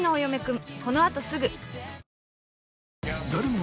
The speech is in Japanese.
ん？